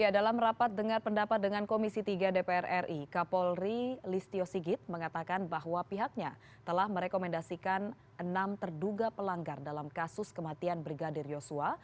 dalam rapat dengar pendapat dengan komisi tiga dpr ri kapolri listio sigit mengatakan bahwa pihaknya telah merekomendasikan enam terduga pelanggar dalam kasus kematian brigadir yosua